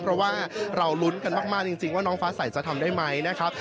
เพราะว่าเรารุ้นกันมากจริงว่าน้องฟ้าใสจะทำได้ไหมนะครับ